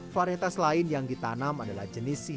varietas lain yang ditanam adalah jenis silam